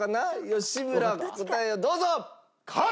吉村答えをどうぞ！